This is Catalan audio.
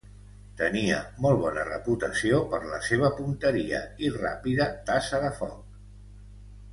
Tenia molt bona reputació per la seva punteria i ràpida tassa de foc.